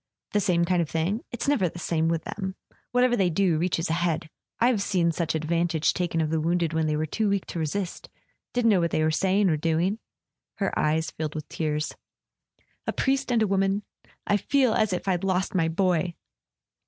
"The same kind of thing ? It's never the same with them! Whatever they do reaches ahead. I've seen such advantage taken of the wounded when they were too weak to resist ... didn't know what they were saying or doing. .." Her eyes filled with tears. "A priest and a woman—I feel as if I'd lost my boy!"